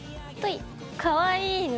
かわいいね。